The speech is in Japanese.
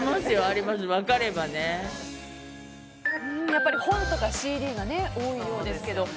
やっぱり本とかＣＤが多いようですけども。